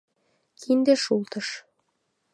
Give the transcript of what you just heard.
Кинде шултыш.